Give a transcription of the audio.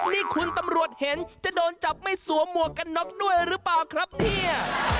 นี่คุณตำรวจเห็นจะโดนจับไม่สวมหมวกกันน็อกด้วยหรือเปล่าครับเนี่ย